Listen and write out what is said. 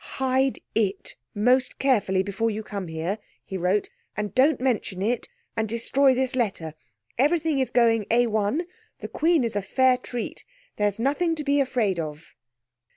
"Hide IT most carefully before you come here," he wrote, "and don't mention it—and destroy this letter. Everything is going A1. The Queen is a fair treat. There's nothing to be afraid of."